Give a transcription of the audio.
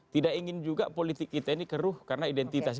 tidak ingin juga politik kita ini keruh karena identitas